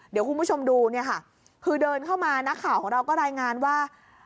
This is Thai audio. เดี๋ยวคุณผู้ชมดูเนี่ยค่ะคือเดินเข้ามานักข่าวของเราก็รายงานว่า